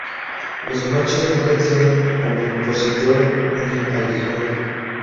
Los machos nunca tienen ovipositor ni aguijón.